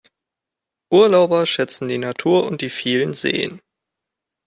Urlauber schätzen die Natur und die vielen Seen.